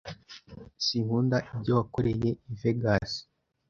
Sinkunda ibyo wakoreye I vegas .